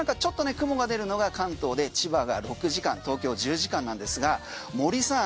雲が出るのが関東で千葉が６時間東京１０時間なんですが森さん